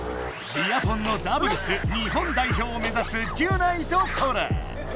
ビアポンのダブルス日本代表をめざすギュナイとソラ。